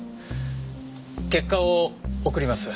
結果を送ります。